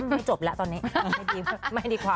ไม่จบแล้วตอนนี้ไม่ดีกว่า